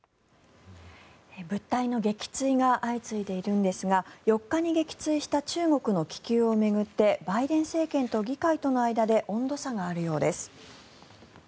物体の撃墜が相次いでいるんですが４日に撃墜した中国の気球を巡ってバイデン政権と議会との間で温度差があるようです。